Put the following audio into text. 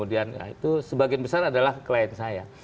nah itu sebagian besar adalah klien saya